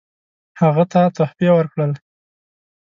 هغه ته تحفې ورکړل.